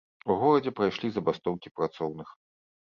У горадзе прайшлі забастоўкі працоўных.